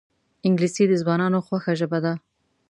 انګلیسي د ځوانانو خوښه ژبه ده